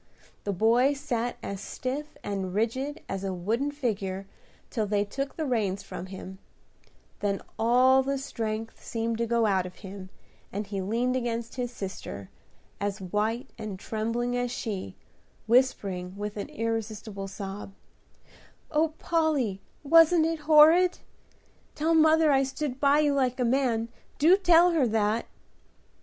The boy sat as stiff and rigid as a wooden figure till they took the reins from him; then all the strength seemed to go out of him, and he leaned against his sister, as white and trembling as she, whispering with an irrepressible sob, "O Polly, wasn't it horrid? Tell mother I stood by you like a man. Do tell her that!"